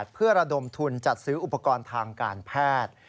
เพื่อระดมทุนจัดซื้ออุปกรณ์ทางการแพทย์